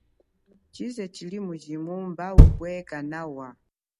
Tshiza chili mujimo mba upwe kanawa.